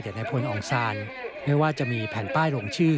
แต่ในพลองซานไม่ว่าจะมีแผ่นป้ายลงชื่อ